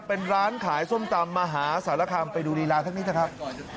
เป็นร้านขายส้มตำมหาสารคามไปดูรีลาท่านนี้เถอะครับ